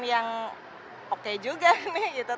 yang oke juga nih